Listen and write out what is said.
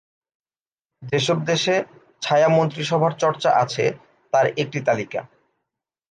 যেসব দেশে ছায়া মন্ত্রিসভার চর্চা আছে, তার একটি তালিকাঃ